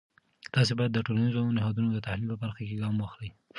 تاسې باید د ټولنیزو نهادونو د تحلیل په برخه کې ګام واخلی.